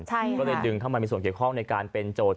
ก็เลยดึงเข้ามามีส่วนเกี่ยวข้องในการเป็นโจทย์